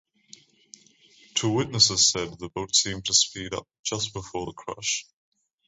Two witnesses said the boat seemed to speed up just before the crash.